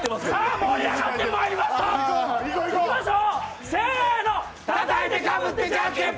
盛り上がってまいりましょう！